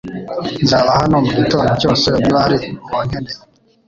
Nzaba hano mugitondo cyose niba hari uwankeneye.